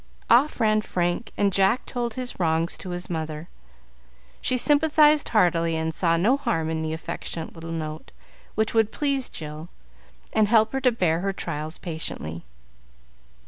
Off ran Frank, and Jack told his wrongs to his mother. She sympathized heartily, and saw no harm in the affectionate little note, which would please Jill, and help her to bear her trials patiently.